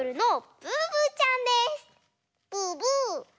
ブーブー！